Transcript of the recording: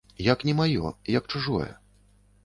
Як не маё, як чужое.